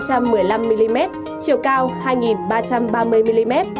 chiều cao hai ba trăm ba mươi mm